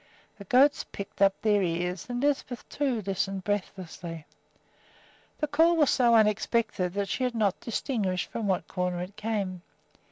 The goats pricked up their ears, and Lisbeth, too, listened breathlessly. The call was so unexpected that she had not distinguished from what quarter it came.